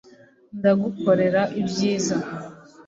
ndagukorera ibyiza